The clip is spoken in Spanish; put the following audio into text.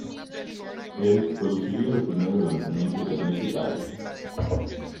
Él produciría los primeros lanzamientos de Naked Eyes.